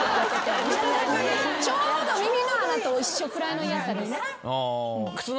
ちょうど耳の穴と一緒くらいの嫌さです。